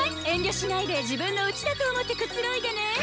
遠慮しないで自分のうちだと思ってくつろいでね。